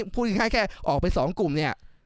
พูดง่ายแค่ออกไป๒กลุ่มเนี่ย